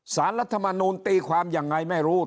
รัฐมนูลตีความยังไงไม่รู้